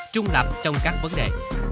trung lập trong các vấn đề